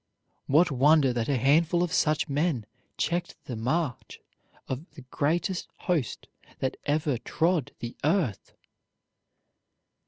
What wonder that a handful of such men checked the march of the greatest host that ever trod the earth!